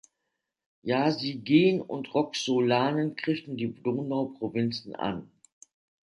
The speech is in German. Jazygen und Roxolanen griffen die Donauprovinzen an.